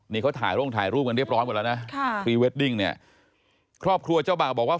นี่เขาถ่ายร่วมกันเรียบร้อยก่อนแล้วนะครอบครัวเจ้าเบาบอกว่า